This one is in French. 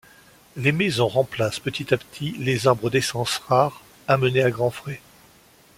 Les maisons remplacent petit à petit les arbres d'essence rare, amenés à grand frais.